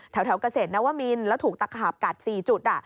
แถวเกษตรนวมินแล้วถูกตะขาบกัด๔จุด